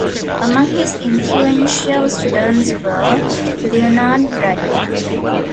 Among his influential students were Leonard Ratner.